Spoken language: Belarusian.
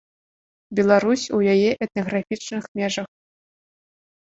Беларусь у яе этнаграфічных межах.